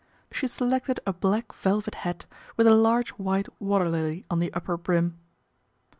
She selected a black velvet hat with a large white water lily on the upper brim.